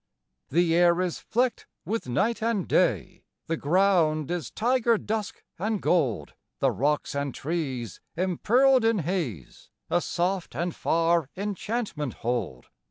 The air is flecked with night and day, The ground is tiger dusk and gold, The rocks and trees, empearled in haze, A soft and far enchantment hold.